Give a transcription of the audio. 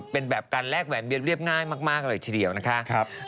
เป็นแบบการแลกแหวนเรียบง่ายมากเดี๋ยวนะครับ